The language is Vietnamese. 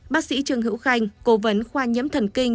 bác sĩ trương hữu khanh cố vấn khoa nhiễm thần kinh